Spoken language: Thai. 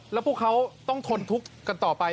แล้วพวกเขาต้องทนทุกข์กันต่อไป